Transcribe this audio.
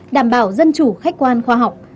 đảm bảo dân chủ khách quan khoa học